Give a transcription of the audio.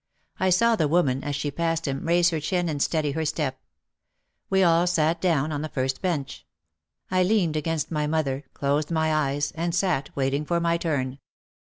I saw the woman, as she passed him, raise her chin and steady her step. We all sat down on the first bench. I leaned against my mother, closed my eyes, and sat wait ing for my turn.